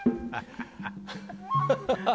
ハハハハ！